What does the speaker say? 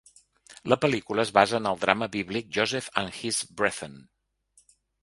La pel·lícula es basa en el drama bíblic "Joseph and His Brethren".